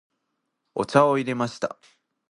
お茶を入れました。